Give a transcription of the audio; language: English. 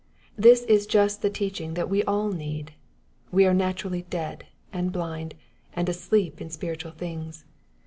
This is just the teaching that we all need. We are naturally dead, and blind, and asleep in spiritual things.